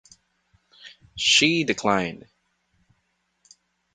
She declined.